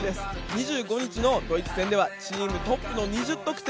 ２５日のドイツ戦では、チームトップの２０得点。